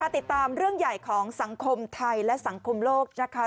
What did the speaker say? ติดตามเรื่องใหญ่ของสังคมไทยและสังคมโลกนะคะ